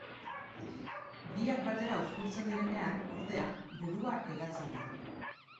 Biak batera uzkurtzen direnean, ordea, burua hedatzen da.